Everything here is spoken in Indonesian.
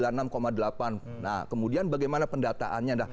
nah kemudian bagaimana pendataannya